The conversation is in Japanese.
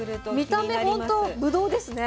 見た目ほんとぶどうですね。